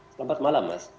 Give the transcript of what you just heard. selamat malam mas